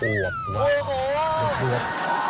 ร้านนี้อยู่ที่ไหนพี่วิเศษ